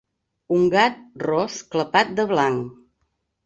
Un gat ros clapat de blanc.